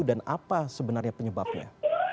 dan apa sebenarnya penyebabnya